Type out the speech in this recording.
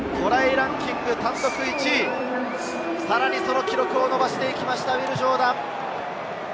ランキング単独１位、さらにその記録を伸ばしていきました、ウィル・ジョーダン。